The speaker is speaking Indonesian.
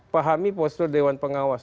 pahami postur dewan pengawas